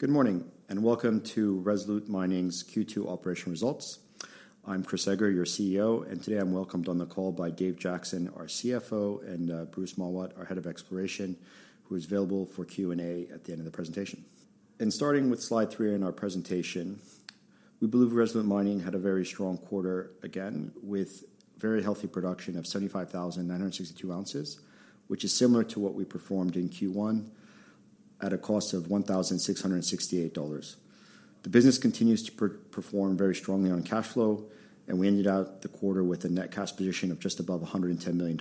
Good morning and welcome to Resolute Mining's Q2 operational results. I'm Chris Eger, your CEO, and today I'm welcomed on the call by Dave Jackson, our CFO, and Bruce Mawat, our Head of Exploration, who is available for Q&A at the end of the presentation. Starting with slide three in our presentation, we believe Resolute Mining had a very strong quarter again with very healthy production of 75,962 ounces, which is similar to what we performed in Q1 at a cost of $1,668. The business continues to perform very strongly on cash flow, and we ended out the quarter with a net cash position of just above $110 million.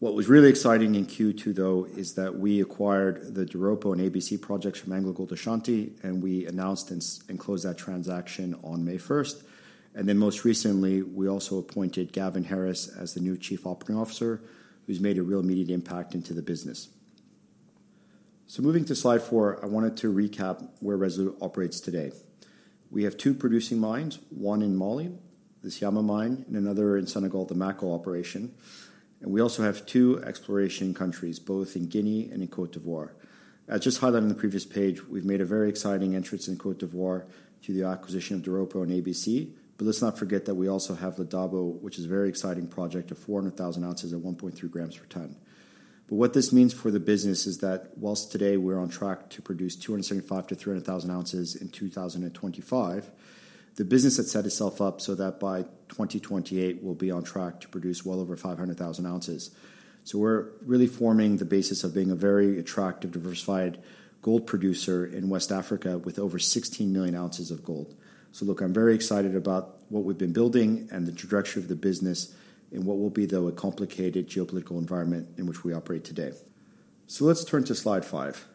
What was really exciting in Q2, though, is that we acquired the Doropo and ABC projects from AngloGold Ashanti, and we announced and closed that transaction on May 1st. Most recently, we also appointed Gavin Harris as the new Chief Operating Officer, who's made a real immediate impact into the business. Moving to slide four, I wanted to recap where Resolute operates today. We have two producing mines, one in Mali, the Syama mine, and another in Senegal, the Mako operation. We also have two exploration countries, both in Guinea and in Côte d'Ivoire. As just highlighted on the previous page, we've made a very exciting entrance in Côte d'Ivoire through the acquisition of Doropo and ABC. Let's not forget that we also have the Dabo, which is a very exciting project of 400,000 ounces at 1.3g per ton. What this means for the business is that whilst today we're on track to produce 275,000-300,000 ounces in 2025, the business has set itself up so that by 2028, we'll be on track to produce well over 500,000 ounces. We're really forming the basis of being a very attractive, diversified gold producer in West Africa with over 16 million ounces of gold. I'm very excited about what we've been building and the trajectory of the business and what will be, though, a complicated geopolitical environment in which we operate today. Let's turn to slide five.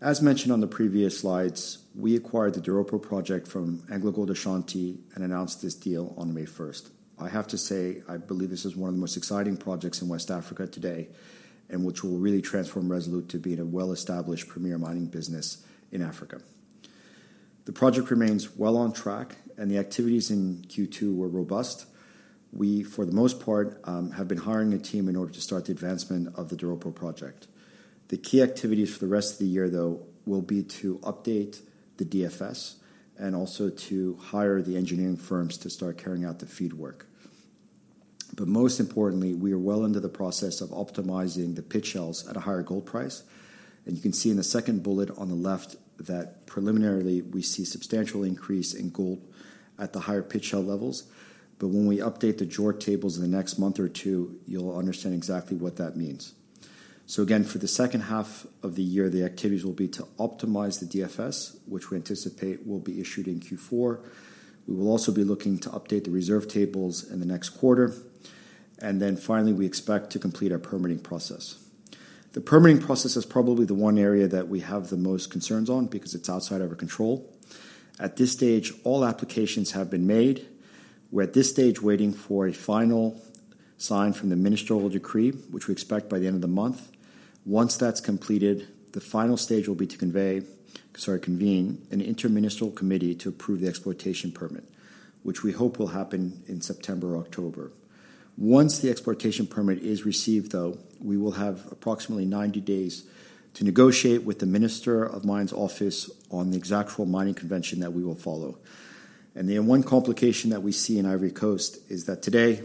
As mentioned on the previous slides, we acquired the Doropo project from AngloGold Ashanti and announced this deal on May 1st. I have to say, I believe this is one of the most exciting projects in West Africa today, and which will really transform Resolute to be a well-established premier mining business in Africa. The project remains well on track, and the activities in Q2 were robust. We, for the most part, have been hiring a team in order to start the advancement of the Doropo project. The key activities for the rest of the year, though, will be to update the DFS and also to hire the engineering firms to start carrying out the FEED work. Most importantly, we are well into the process of optimizing the pit shells at a higher gold price. You can see in the second bullet on the left that preliminarily we see a substantial increase in gold at the higher pit shell levels. When we update the JORC tables in the next month or two, you'll understand exactly what that means. For the second half of the year, the activities will be to optimize the DFS, which we anticipate will be issued in Q4. We will also be looking to update the reserve tables in the next quarter. Finally, we expect to complete our permitting process. The permitting process is probably the one area that we have the most concerns on because it's outside of our control. At this stage, all applications have been made. We're at this stage waiting for a final sign from the Ministry of Oil Decree, which we expect by the end of the month. Once that's completed, the final stage will be to convene an interministerial committee to approve the exploitation permit, which we hope will happen in September or October. Once the exploitation permit is received, we will have approximately 90 days to negotiate with the Minister of Mines Office on the actual mining convention that we will follow. The one complication that we see in Côte d'Ivoire is that today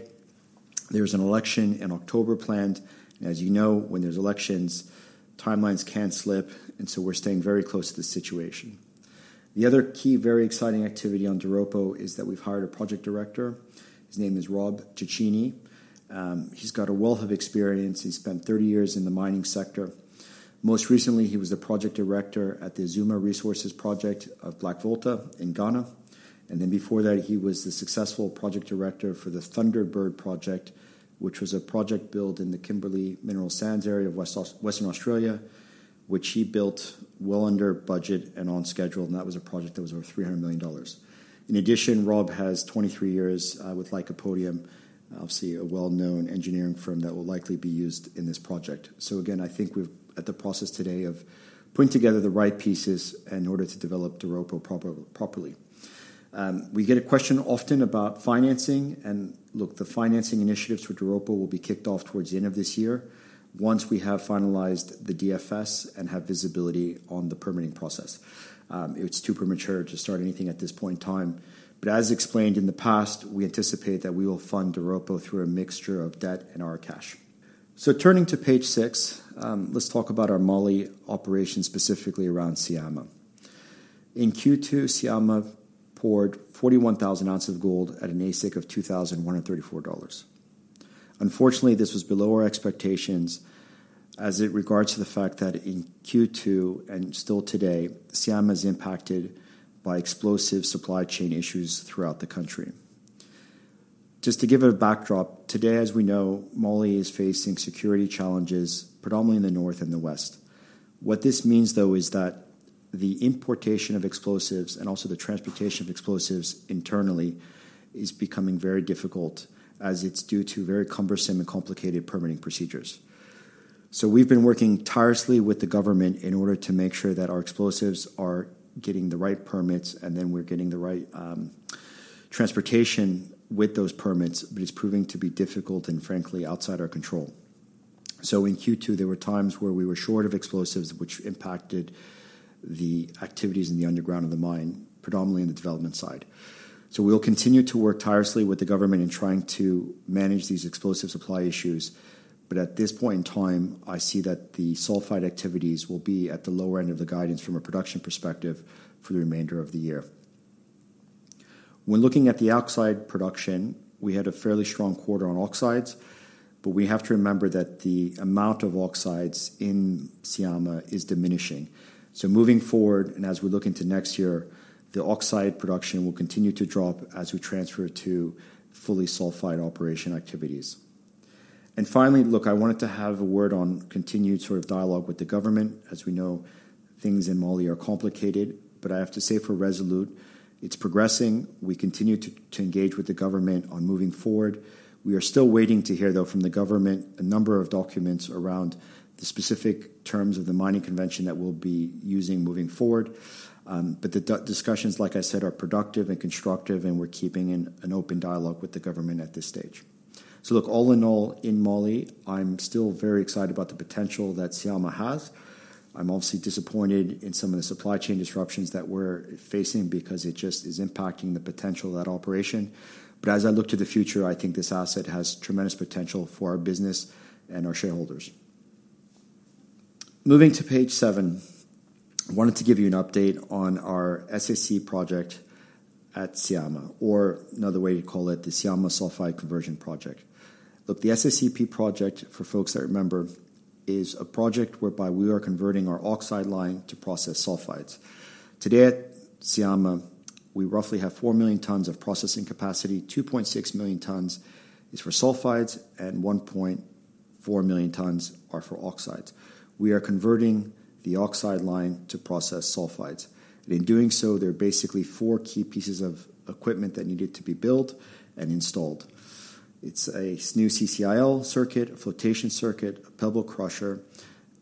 there's an election in October planned. As you know, when there's elections, timelines can slip. We're staying very close to the situation. The other key, very exciting activity on Doropo is that we've hired a Project Director. His name is Rob Ticini. He's got a wealth of experience. He spent 30 years in the mining sector. Most recently, he was a Project Director at the Azumah Resources Project of Black Volta in Ghana. Before that, he was the successful Project Director for the Thunderbird Project, which was a project built in the Kimberley Mineral Sands area of Western Australia, which he built well under budget and on schedule. That was a project that was over $300 million. In addition, Rob has 23 years with Lycopodium, obviously a well-known engineering firm that will likely be used in this project. Again, I think we're at the process today of putting together the right pieces in order to develop Doropo properly. We get a question often about financing, and look, the financing initiatives for Doropo will be kicked off towards the end of this year once we have finalized the Definitive Feasibility Study and have visibility on the permitting process. It's too premature to start anything at this point in time. As explained in the past, we anticipate that we will fund Doropo through a mixture of debt and our cash. Turning to page six, let's talk about our Mali operation, specifically around Syama. In Q2, Syama poured 41,000 ounces gold All-in Sustaining Cost of $2,134. Unfortunately, this was below our expectations as it regards to the fact that in Q2 and still today, Syama is impacted by explosive supply chain issues throughout the country. To give a backdrop, today, as we know, Mali is facing security challenges predominantly in the north and the west. What this means is that the importation of explosives and also the transportation of explosives internally is becoming very difficult as it's due to very cumbersome and complicated permitting procedures. We have been working tirelessly with the government in order to make sure that our explosives are getting the right permits and that we're getting the right transportation with those permits. It's proving to be difficult and frankly outside our control. In Q2, there were times where we were short of explosives, which impacted the activities in the underground of the mine, predominantly in the development side. We will continue to work tirelessly with the government in trying to manage these explosive supply issues. At this point in time, I see that the sulfide activities will be at the lower end of the guidance from a production perspective for the remainder of the year. When looking at the oxide production, we had a fairly strong quarter on oxides, but we have to remember that the amount of oxides in Syama is diminishing. Moving forward, and as we look into next year, the oxide production will continue to drop as we transfer to fully sulfide operation activities. Finally, I wanted to have a word on continued sort of dialogue with the government. As we know, things in Mali are complicated, but I have to say for Resolute, it's progressing. We continue to engage with the government on moving forward. We are still waiting to hear, though, from the government a number of documents around the specific terms of the mining convention that we'll be using moving forward. The discussions, like I said, are productive and constructive, and we're keeping an open dialogue with the government at this stage. All in all, in Mali, I'm still very excited about the potential that Syama has. I'm obviously disappointed in some of the supply chain disruptions that we're facing because it just is impacting the potential of that operation. As I look to the future, I think this asset has tremendous potential for our business and our shareholders. Moving to page seven, I wanted to give you an update on our SSCP at Syama, or another way to call it, the Syama Sulphide Conversion Project. The SSCP, for folks that remember, is a project whereby we are converting our oxide line to process sulphides. Today at Syama, we roughly have 4 million tons of processing capacity, 2.6 million tons is for sulphides, and 1.4 million tons are for oxides. We are converting the oxide line to process sulphides. In doing so, there are basically four key pieces of equipment that needed to be built and installed. It's a new CIL circuit, a flotation circuit, a pebble crusher,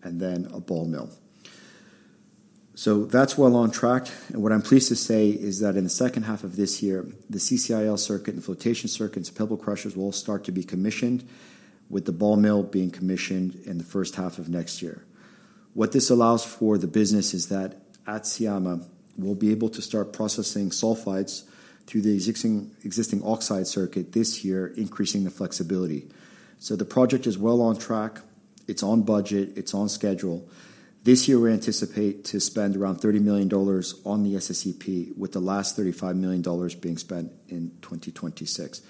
and then a ball mill. That's well on track. What I'm pleased to say is that in the second half of this year, the CIL circuit and the flotation circuits, pebble crushers will start to be commissioned, with the ball mill being commissioned in the first half of next year. What this allows for the business is that at Syama, we'll be able to start processing sulfides through the existing oxide circuit this year, increasing the flexibility. The project is well on track. It's on budget. It's on schedule. This year, we anticipate to spend around $30 million on the SSCP, with the last $35 million being spent in 2026.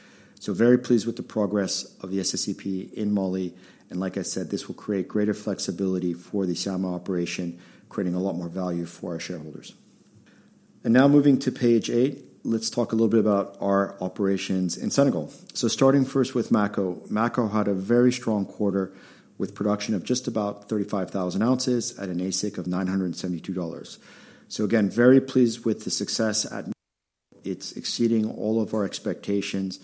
Very pleased with the progress of the SSCP in Mali. Like I said, this will create greater flexibility for the Syama operation, creating a lot more value for our shareholders. Now moving to page eight, let's talk a little bit about our operations in Senegal. Starting first with Mako, Mako had a very strong quarter with production of just about 35,000 ounces at an AISC of $972. Again, very pleased with the success at its exceeding all of our expectations.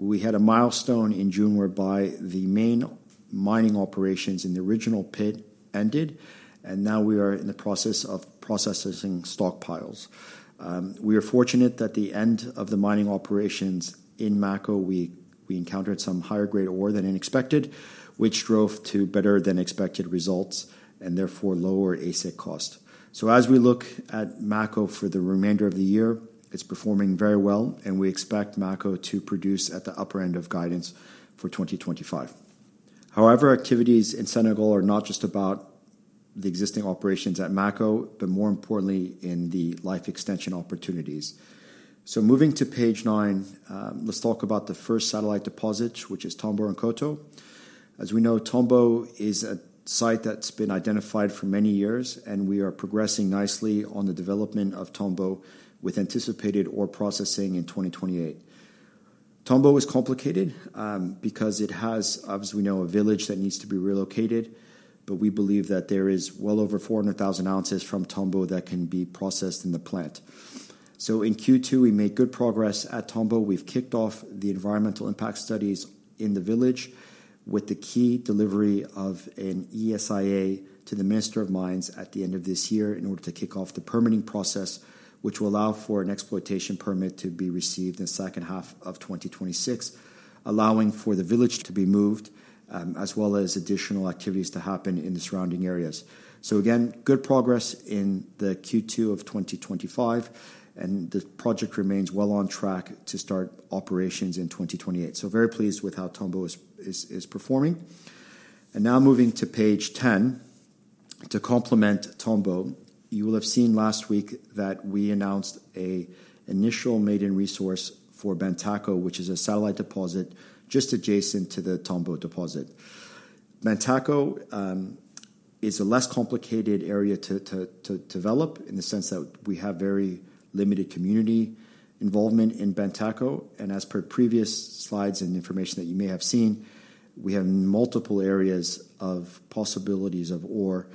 We had a milestone in June whereby the main mining operations in the original pit ended, and now we are in the process of processing stockpiles. We are fortunate that at the end of the mining operations in Mako, we encountered some higher grade ore than expected, which drove to better than expected results and therefore lowered AISC costs. As we look at Mako for the remainder of the year, it's performing very well, and we expect Mako to produce at the upper end of guidance for 2025. However, activities in Senegal are not just about the existing operations at Mako, but more importantly, in the life extension opportunities. Moving to page nine, let's talk about the first satellite deposit, which is Tomboronkoto. As we know, Tombo is a site that's been identified for many years, and we are progressing nicely on the development of Tombo with anticipated ore processing in 2028. Tombo is complicated because it has, as we know, a village that needs to be relocated, but we believe that there is well over 400,000 ounces from Tombo that can be processed in the plant. In Q2, we made good progress at Tombo. We've kicked off the environmental impact studies in the village with the key delivery of an ESIA to the Minister of Mines at the end of this year in order to kick off the permitting process, which will allow for an exploitation permit to be received in the second half of 2026, allowing for the village to be moved, as well as additional activities to happen in the surrounding areas. Again, good progress in Q2 of 2025, and the project remains well on track to start operations in 2028. Very pleased with how Tombo is performing. Now moving to page 10, to complement Tombo, you will have seen last week that we announced an initial maiden resource for Bentako, which is a satellite deposit just adjacent to the Tombo deposit. Bentako is a less complicated area to develop in the sense that we have very limited community involvement in Bentako. As per previous slides and information that you may have seen, we have multiple areas of possibilities of ore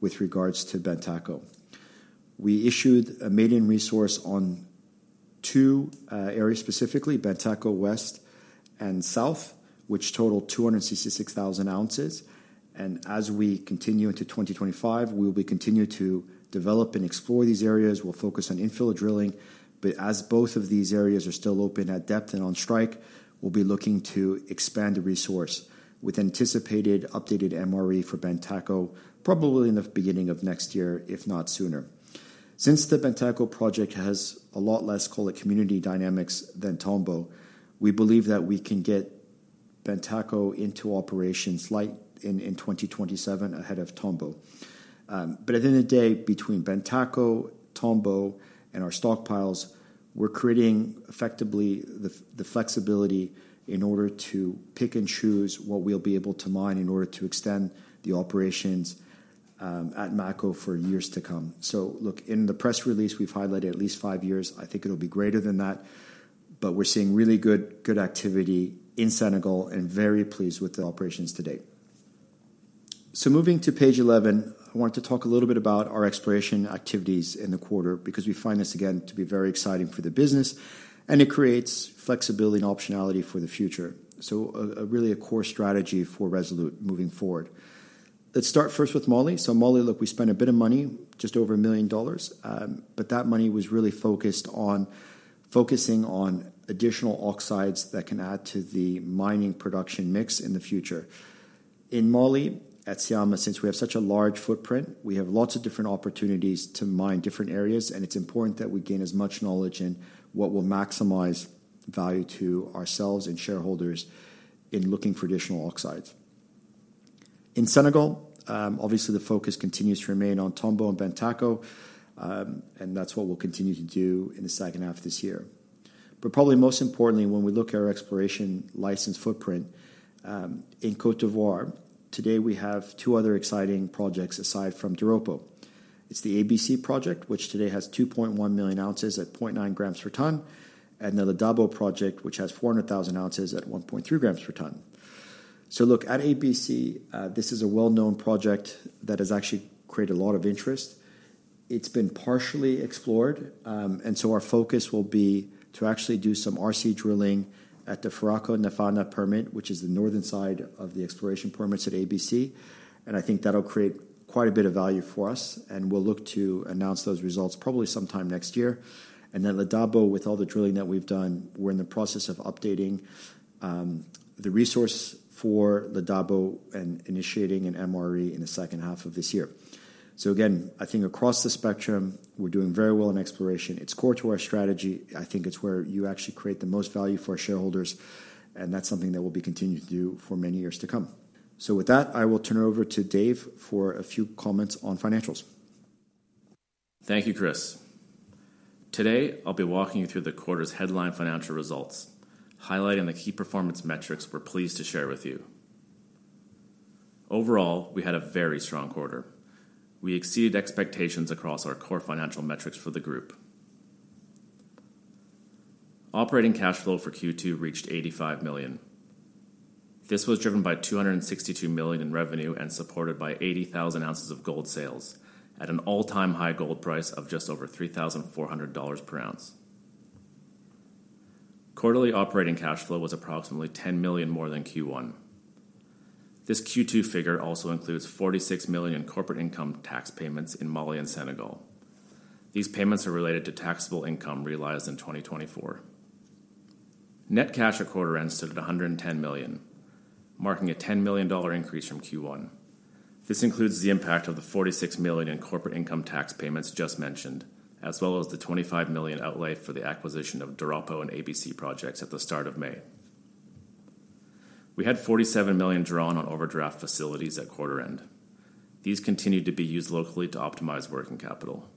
with regards to Bentako. We issued a maiden resource on two areas specifically, Bentako West and South, which total 266,000 ounces. As we continue into 2025, we'll continue to develop and explore these areas. We'll focus on infill drilling. As both of these areas are still open at depth and on strike, we'll be looking to expand the resource with anticipated updated MRE for Bentako probably in the beginning of next year, if not sooner. Since the Bentako project has a lot less, call it community dynamics, than Tombo, we believe that we can get Bentako into operations in 2027 ahead of Tombo. At the end of the day, between Bentako, Tombo, and our stockpiles, we're creating effectively the flexibility in order to pick and choose what we'll be able to mine in order to extend the operations at Mako for years to come. In the press release, we've highlighted at least five years. I think it'll be greater than that. We're seeing really good activity in Senegal and very pleased with the operations to date. Moving to page 11, I want to talk a little bit about our exploration activities in the quarter because we find this again to be very exciting for the business, and it creates flexibility and optionality for the future. Really a core strategy for Resolute moving forward. Let's start first with Mali. In Mali, we spent a bit of money, just over $1 million, but that money was really focused on focusing on additional oxides that can add to the mining production mix in the future. In Mali, at Syama, since we have such a large footprint, we have lots of different opportunities to mine different areas, and it's important that we gain as much knowledge and what will maximize value to ourselves and shareholders in looking for additional oxides. In Senegal, obviously, the focus continues to remain on Tombo and Bentako, and that's what we'll continue to do in the second half of this year. Probably most importantly, when we look at our exploration license footprint in Côte d'Ivoire, today we have two other exciting projects aside from Doropo. It's the ABC project, which today has 2.1 million ounces at 0.9g per ton, and then the Doropo project, which has 400,000 ounces at 1.3g per ton. At ABC, this is a well-known project that has actually created a lot of interest. It's been partially explored, and our focus will be to actually do some RC drilling at the Farako Nafana permit, which is the northern side of the exploration permits at ABC. I think that'll create quite a bit of value for us, and we'll look to announce those results probably sometime next year. The Dabo, with all the drilling that we've done, we're in the process of updating the resource for the Dabo and initiating an MRE in the second half of this year. I think across the spectrum, we're doing very well in exploration. It's core to our strategy. I think it's where you actually create the most value for our shareholders, and that's something that we'll continue to do for many years to come. I will turn it over to Dave for a few comments on financials. Thank you, Chris. Today, I'll be walking you through the quarter's headline financial results, highlighting the key performance metrics we're pleased to share with you. Overall, we had a very strong quarter. We exceeded expectations across our core financial metrics for the group. Operating cash flow for Q2 reached $85 million. This was driven by $262 million in revenue and supported by 80,000 ounces of gold sales at an all-time high gold price of just over $3,400 per ounce. Quarterly operating cash flow was approximately $10 million more than Q1. This Q2 figure also includes $46 million in corporate income tax payments in Mali and Senegal. These payments are related to taxable income realized in 2024. Net cash accord ends to the $110 million, marking a $10 million increase from Q1. This includes the impact of the $46 million in corporate income tax payments just mentioned, as well as the $25 million outlay for the acquisition of Doropo and ABC projects at the start of May. We had $47 million drawn on overdraft facilities at quarter end. These continued to be used locally to optimize working capital.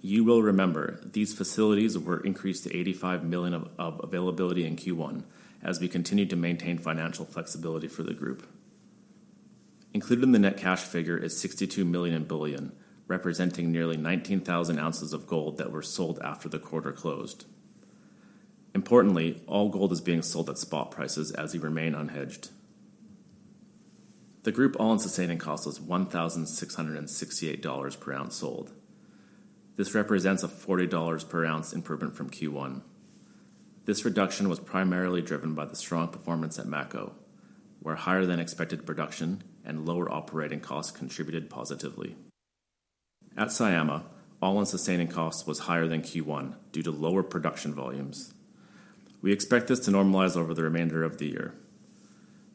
You will remember these facilities were increased to $85 million of availability in Q1 as we continued to maintain financial flexibility for the group. Included in the net cash figure is $62 million in bullion, representing nearly 19,000 ounces of gold that were sold after the quarter closed. Importantly, all gold is being sold at spot prices as we remain unhedged. All-in Sustaining Cost was $1,668 per ounce sold. This represents a $40 per ounce improvement from Q1. This reduction was primarily driven by the strong performance at Mako, where higher than expected production and lower operating costs contributed positively. All-in Sustaining Cost was higher than Q1 due to lower production volumes. We expect this to normalize over the remainder of the year.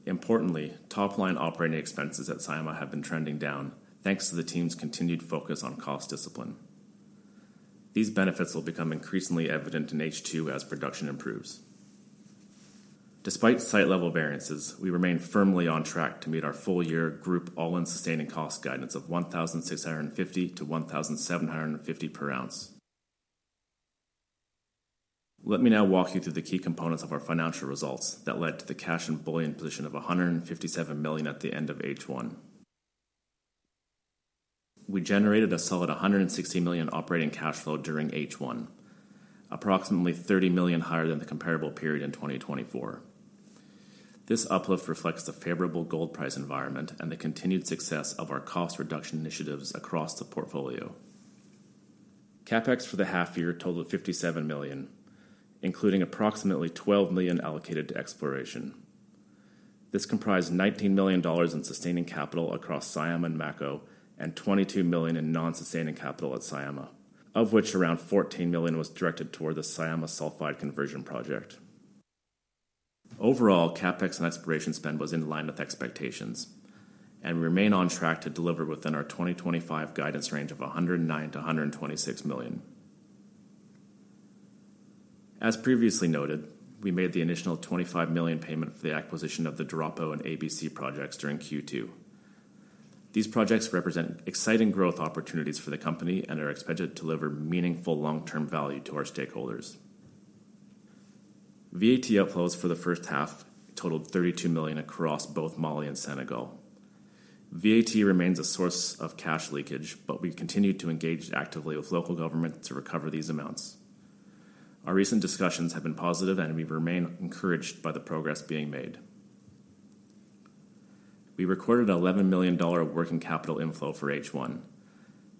Importantly, top line operating expenses at Syama have been trending down thanks to the team's continued focus on cost discipline. These benefits will become increasingly evident in H2 as production improves. Despite site level variances, we remain firmly on track to meet our full All-in Sustaining Cost guidance of $1,650 to $1,750 per ounce. Let me now walk you through the key components of our financial results that led to the cash and bullion position of $157 million at the end of H1. We generated a solid $160 million operating cash flow during H1, approximately $30 million higher than the comparable period in 2024. This uplift reflects the favorable gold price environment and the continued success of our cost reduction initiatives across the portfolio. CapEx for the half year totaled $57 million, including approximately $12 million allocated to exploration. This comprised $19 million in sustaining capital across Syama and Mako and $22 million in non-sustaining capital at Syama, of which around $14 million was directed toward the Syama Sulphide Conversion Project. Overall, CapEx and exploration spend was in line with expectations, and we remain on track to deliver within our 2025 guidance range of $109 million-$126 million. As previously noted, we made the initial $25 million payment for the acquisition of the Doropo and ABC projects during Q2. These projects represent exciting growth opportunities for the company and are expected to deliver meaningful long-term value to our stakeholders. VAT upflows for the first half totaled $32 million across both Mali and Senegal. VAT remains a source of cash leakage, but we've continued to engage actively with local government to recover these amounts. Our recent discussions have been positive, and we remain encouraged by the progress being made. We record`ed an $11 million working capital inflow for H1,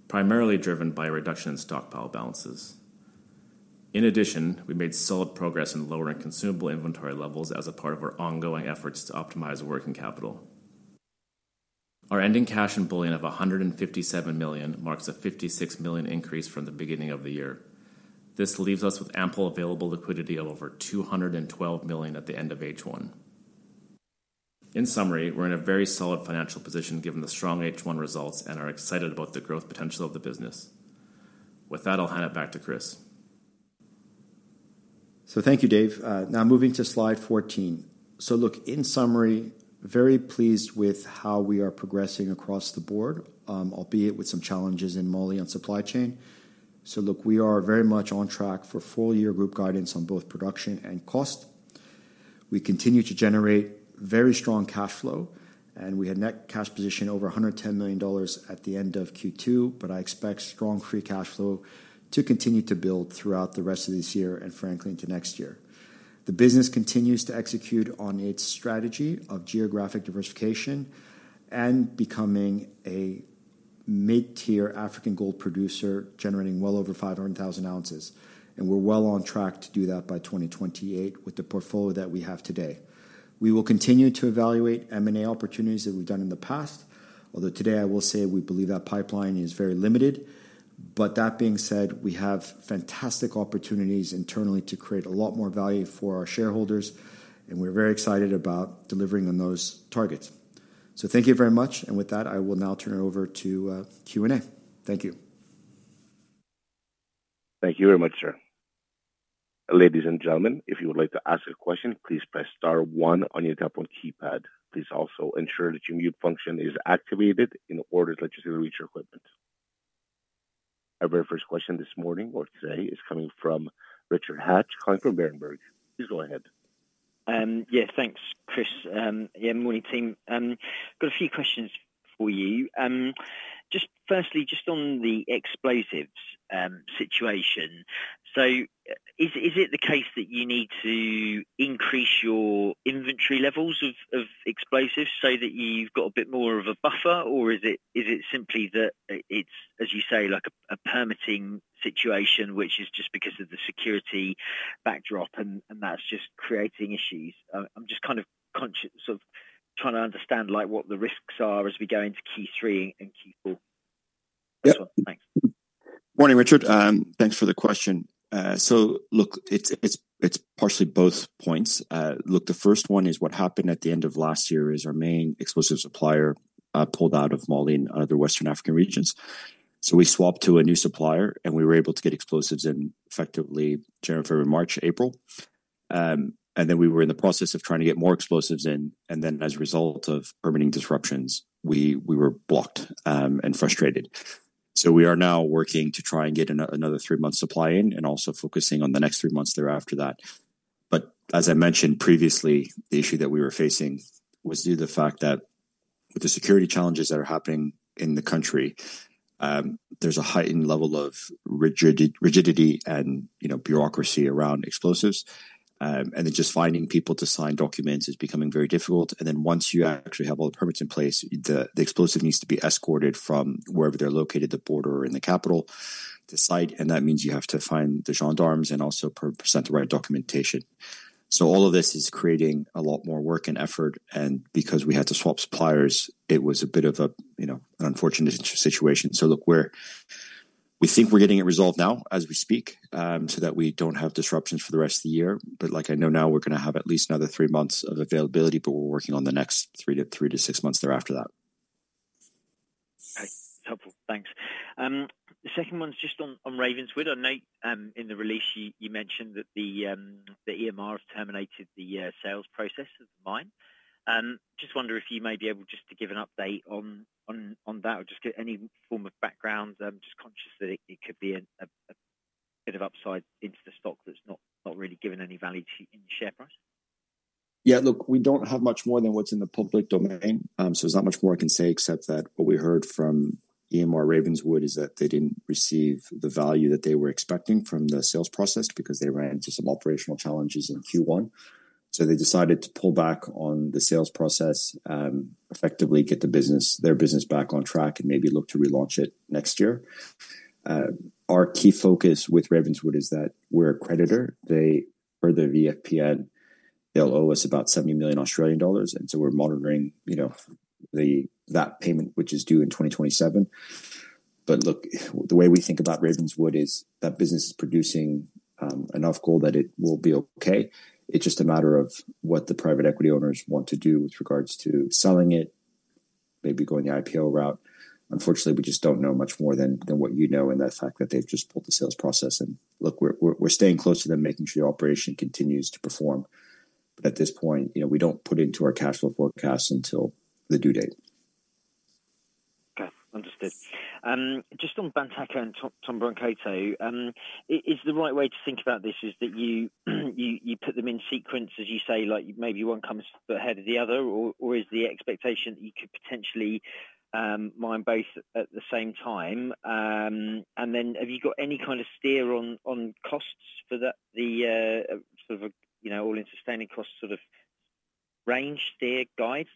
primarily driven by a reduction in stockpile balances. In addition, we made solid progress in lowering consumable inventory levels as a part of our ongoing efforts to optimize working capital. Our ending cash and bullion of $157 million marks a $56 million increase from the beginning of the year. This leaves us with ample available liquidity of over $212 million at the end of H1. In summary, we're in a very solid financial position given the strong H1 results and are excited about the growth potential of the business. With that, I'll hand it back to Chris. Thank you, Dave. Now moving to slide 14. In summary, very pleased with how we are progressing across the board, albeit with some challenges in Mali on supply chain. We are very much on track for full year group guidance on both production and cost. We continue to generate very strong cash flow, and we had net cash position over $110 million at the end of Q2. I expect strong free cash flow to continue to build throughout the rest of this year and frankly into next year. The business continues to execute on its strategy of geographic diversification and becoming a mid-tier African gold producer generating well over 500,000 ounces, and we're well on track to do that by 2028 with the portfolio that we have today. We will continue to evaluate M&A opportunities that we've done in the past, although today I will say we believe that pipeline is very limited. That being said, we have fantastic opportunities internally to create a lot more value for our shareholders, and we're very excited about delivering on those targets. Thank you very much, and with that, I will now turn it over to Q&A. Thank you. Thank you very much, sir. Ladies and gentlemen, if you would like to ask a question, please press star one on your Apple keypad. Please also ensure that your mute function is activated in order to let you reach your equipment. Our very first question this morning or today is coming from Richard Hatch, calling from Berenberg. Please go ahead. Yeah, thanks, Chris. Morning team. I've got a few questions for you. Just firstly, just on the explosives situation. Is it the case that you need to increase your inventory levels of explosives so that you've got a bit more of a buffer, or is it simply that it's, as you say, like a permitting situation, which is just because of the security backdrop and that's just creating issues? I'm just kind of conscious of trying to understand what the risks are as we go into Q3 and Q4. Yep. Thanks. Morning, Richard. Thanks for the question. It's partially both points. The first one is what happened at the end of last year is our main explosive supplier pulled out of Mali and other Western African regions. We swapped to a new supplier, and we were able to get explosives in effectively, January and February, March, April. We were in the process of trying to get more explosives in, and as a result of permitting disruptions, we were blocked and frustrated. We are now working to try and get another three-month supply in and also focusing on the next three months thereafter. As I mentioned previously, the issue that we were facing was due to the fact that with the security challenges that are happening in the country, there's a heightened level of rigidity and bureaucracy around explosives. Just finding people to sign documents is becoming very difficult. Once you actually have all the permits in place, the explosive needs to be escorted from wherever they're located, the border or in the capital, to site. That means you have to find the gendarmes and also present the right documentation. All of this is creating a lot more work and effort. Because we had to swap suppliers, it was a bit of an unfortunate situation. We think we're getting it resolved now as we speak so that we don't have disruptions for the rest of the year. I know now we're going to have at least another three months of availability, but we're working on the next three to six months thereafter. It's helpful. Thanks. The second one's just on Ravenswood. I know in the release you mentioned that EMR has terminated the sales process of the mine. I just wonder if you may be able just to give an update on that or just get any form of background. I'm just conscious that it could be a bit of upside into the stock that's not really given any value in the share price. Yeah, look, we don't have much more than what's in the public domain. There's not much more I can say except that what we heard from EMR Ravenswood is that they didn't receive the value that they were expecting from the sales process because they ran into some operational challenges in Q1. They decided to pull back on the sales process and effectively get their business back on track and maybe look to relaunch it next year. Our key focus with Ravenswood is that we're a creditor. They further VFPN. They'll owe us about $70 million Australian dollars, and we're monitoring that payment, which is due in 2027. The way we think about Ravenswood is that business is producing enough gold that it will be okay. It's just a matter of what the private equity owners want to do with regards to selling it, maybe going the IPO route. Unfortunately, we just don't know much more than what you know and the fact that they've just pulled the sales process. We're staying close to them, making sure the operation continues to perform. At this point, we don't put it into our cash flow forecast until the due date. Okay, understood. Just on Bentako and Tomboronkoto, is the right way to think about this that you put them in sequence, as you say, like maybe one comes ahead of the other, or is the expectation that you could potentially mine both at the same time? Have you got any kind of steer on costs for that, the All-in Sustaining Cost sort of range, steer, guide,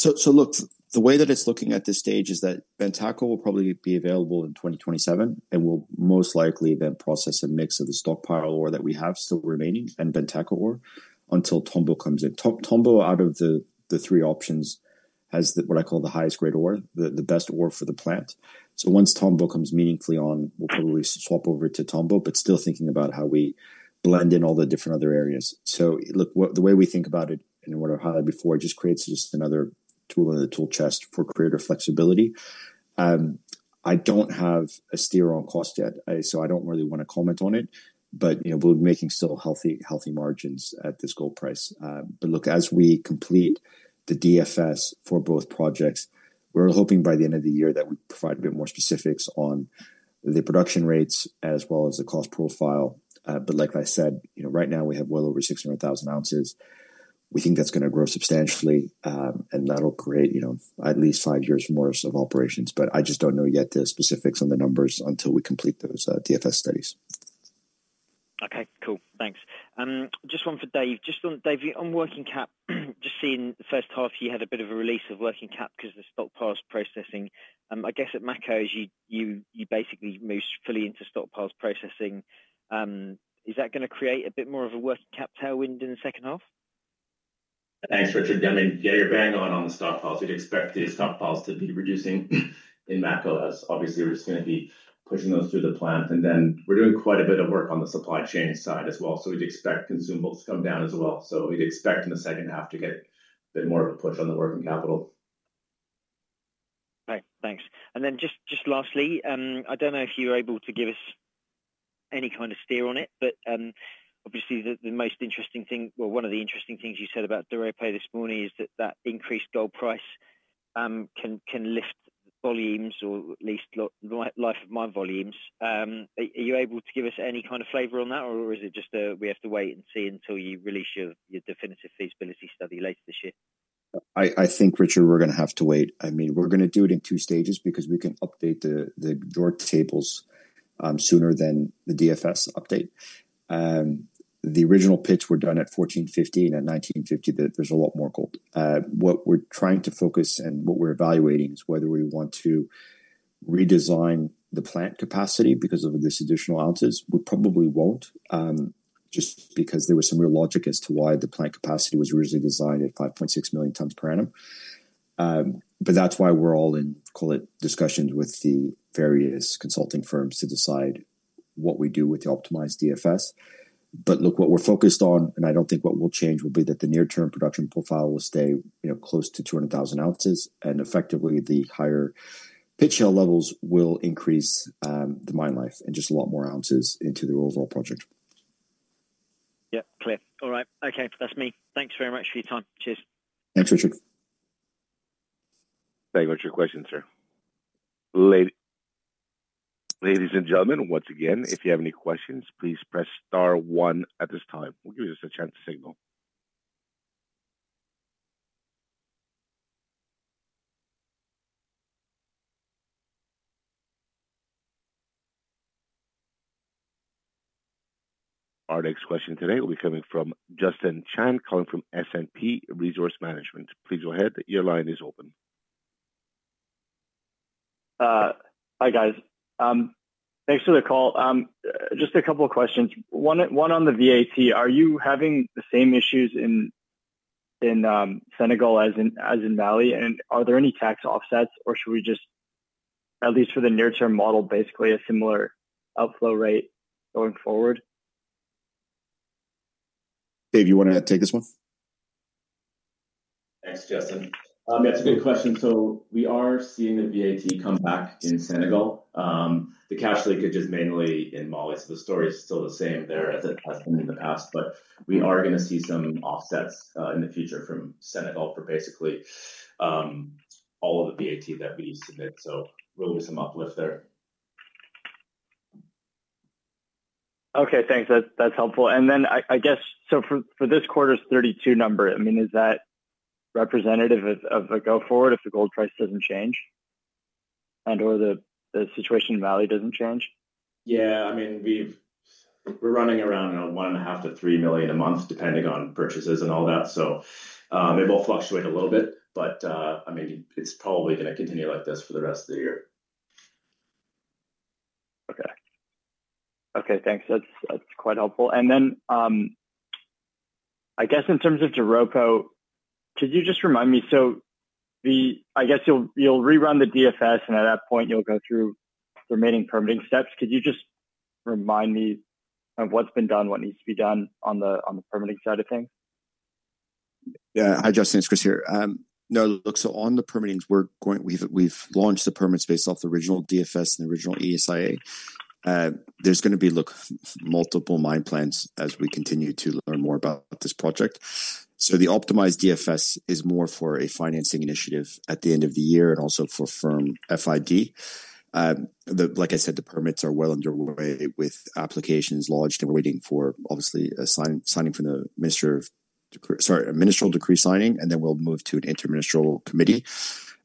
place? The way that it's looking at this stage is that Bentako will probably be available in 2027 and will most likely then process a mix of the stockpile ore that we have still remaining and Bentako ore until Tombo comes in. Tombo, out of the three options, has what I call the highest grade ore, the best ore for the plant. Once Tombo comes meaningfully on, we'll probably swap over to Tombo, but still thinking about how we blend in all the different other areas. The way we think about it and what I highlighted before, it just creates just another tool in the tool chest for greater flexibility. I don't have a steer on cost yet, so I don't really want to comment on it, but we're making still healthy margins at this gold price. As we complete the Definitive Feasibility Study for both projects, we're hoping by the end of the year that we provide a bit more specifics on the production rates as well as the cost profile. Like I said, right now we have well over 600,000 ounces. We think that's going to grow substantially, and that'll create at least five years more of operations. I just don't know yet the specifics on the numbers until we complete those Definitive Feasibility Study studies. Okay, cool. Thanks. Just one for Dave. On working cap, just seeing the first half, you had a bit of a release of working cap because of the stockpiles processing. I guess at Mako, you basically moved fully into stockpiles processing. Is that going to create a bit more of a working cap tailwind in the second half? Thanks, Richard. Yeah, you're bang on on the stockpiles. We'd expect the stockpiles to be reducing in Mako, as obviously there's going to be pushing those through the plant. We're doing quite a bit of work on the supply chain side as well. We'd expect consumables to come down as well. We'd expect in the second half to get a bit more of a push on the working capital. Okay, thanks. Lastly, I don't know if you're able to give us any kind of steer on it, but obviously the most interesting thing, one of the interesting things you said about Doropo this morning is that that increased gold price can lift volumes or at least life of mine volumes. Are you able to give us any kind of flavor on that, or is it just that we have to wait and see until you release your Definitive Feasibility Study later this year? I think, Richard, we're going to have to wait. I mean, we're going to do it in two stages because we can update the Doropo tables sooner than the DFS update. The original pits were done at $1,415 and $1,950. There's a lot more gold. What we're trying to focus and what we're evaluating is whether we want to redesign the plant capacity because of this additional ounces. We probably won't, just because there was some real logic as to why the plant capacity was originally designed at 5.6 million tons per annum. That's why we're all in, call it, discussions with the various consulting firms to decide what we do with the optimized DFS. Look, what we're focused on, and I don't think what will change, will be that the near-term production profile will stay close to 200,000 ounces, and effectively the higher pit shell levels will increase the mine life and just a lot more ounces into the overall project. Yeah, clear. All right. Okay, that's me. Thanks very much for your time. Cheers. Thanks, Richard. Question, sir. Ladies and gentlemen, once again, if you have any questions, please press star one at this time. We'll give you just a chance to signal. Our next question today will be coming from Justin Chan, calling from S&P Resource Management. Please go ahead. Your line is open. Hi guys. Thanks for the call. Just a couple of questions. One on the VAT. Are you having the same issues in Senegal as in Mali? Are there any tax offsets, or should we just, at least for the near-term model, basically a similar upflow rate going forward? Dave, you want to take this one? Thanks, Justin. Yeah, it's a good question. We are seeing the VAT come back in Senegal. The cash flow could just mainly in Mali. The story is still the same there as it has been in the past. We are going to see some offsets in the future from Senegal for basically all of the VAT that we submit. There will be some uplift there. Okay, thanks. That's helpful. I guess, for this quarter's $32 million number, is that representative of a go-forward if the gold price doesn't change and/or the situation in Mali doesn't change? Yeah, I mean, we're running around $1.5 million-$3 million a month depending on purchases and all that. It will fluctuate a little bit, but I mean, it's probably going to continue like this for the rest of the year. Okay, thanks. That's quite helpful. I guess in terms of Doropo, could you just remind me, you'll rerun the DFS and at that point you'll go through the remaining permitting steps. Could you just remind me of what's been done, what needs to be done on the permitting side of things? Yeah, hi, Justin. It's Chris here. On the permittings, we've launched the permits based off the original DFS and the original ESIA. There are going to be multiple mine plans as we continue to learn more about this project. The optimized DFS is more for a financing initiative at the end of the year and also for firm FID. Like I said, the permits are well underway with applications launched. We're waiting for, obviously, signing from the Ministry of, sorry, a ministerial decree signing, and then we'll move to an interministerial committee.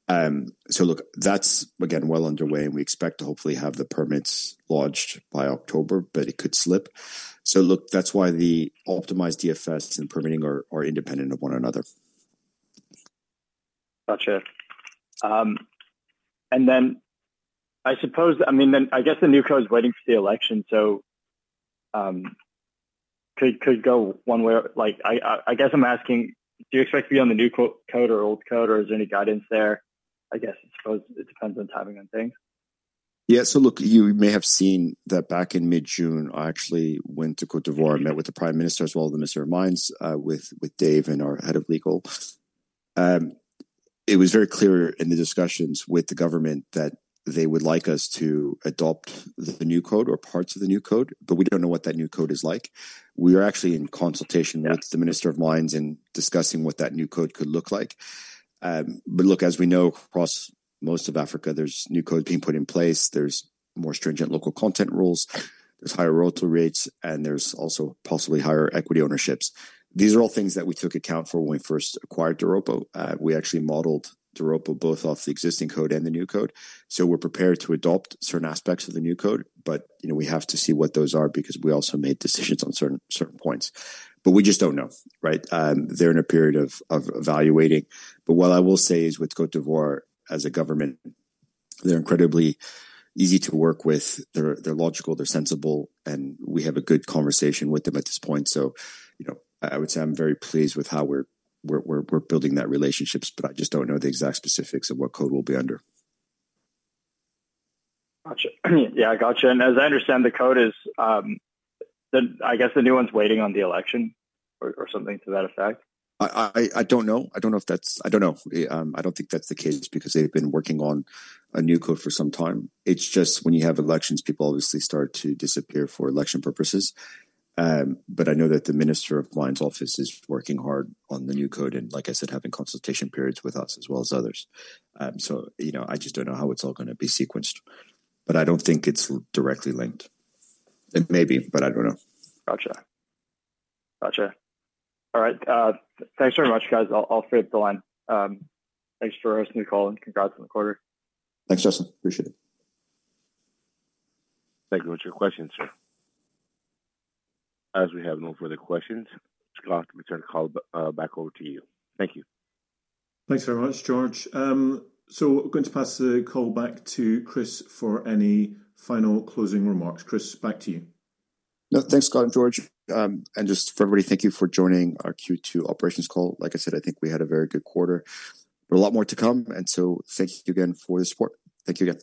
That's again well underway and we expect to hopefully have the permits launched by October, but it could slip. That's why the optimized DFS and permitting are independent of one another. I suppose, I mean, I guess the new code is waiting for the election. It could go one way. I guess I'm asking, do you expect to be on the new code or old code, or is there any guidance there? I suppose it depends on timing on things. Yeah, so look, you may have seen that back in mid-June, I actually went to Côte d'Ivoire and met with the Prime Minister as well as the Ministry of Mines with Dave and our Head of Legal. It was very clear in the discussions with the government that they would like us to adopt the new code or parts of the new code, but we don't know what that new code is like. We are actually in consultation with the Minister of Mines and discussing what that new code could look like. As we know, across most of Africa, there's new code being put in place. There are more stringent local content rules, higher royalty rates, and also possibly higher equity ownerships. These are all things that we took account for when we first acquired Doropo. We actually modeled Doropo both off the existing code and the new code. We're prepared to adopt certain aspects of the new code, but we have to see what those are because we also made decisions on certain points. We just don't know, right? They're in a period of evaluating. What I will say is with Côte d'Ivoire as a government, they're incredibly easy to work with. They're logical, they're sensible, and we have a good conversation with them at this point. I would say I'm very pleased with how we're building that relationship, but I just don't know the exact specifics of what code we'll be under. Gotcha. I gotcha. As I understand, the code is, I guess the new one's waiting on the election or something to that effect. I don't think that's the case because they've been working on a new code for some time. When you have elections, people obviously start to disappear for election purposes. I know that the Minister of Mines' office is working hard on the new code and, like I said, having consultation periods with us as well as others. I just don't know how it's all going to be sequenced. I don't think it's directly linked. It may be, but I don't know. Gotcha. All right. Thanks very much, guys. I'll fade the line. Thanks for us in the call and congrats on the quarter. Thanks, Justin. Appreciate it. Thank you, Richard. Questions, sir? As we have no further questions, Scott, we turn the call back over to you. Thank you. Thank you very much, George. I'm going to pass the call back to Chris for any final closing remarks. Chris, back to you. No, thanks, Scott and George. Just for everybody, thank you for joining our Q2 operations call. Like I said, I think we had a very good quarter, but a lot more to come. Thank you again for the support. Thank you again.